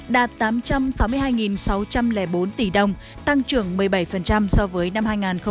đạt tám trăm sáu mươi hai sáu trăm linh bốn tỷ đồng tăng trưởng một mươi bảy so với năm hai nghìn một mươi bảy